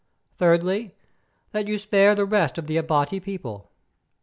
Thirdly, that you spare the rest of the Abati people."